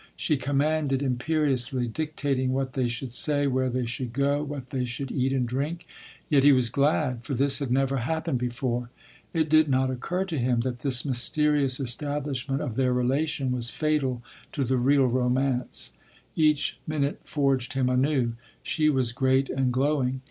She commanded imperiously, dictating what they should say, where they should go, what they should eat and drink. Yet he was glad, for this had never happened before. It did not occur to him that this mysterious establishment of their relation was fatal to the real romance. Each minute forged him anew. She was great and glowing.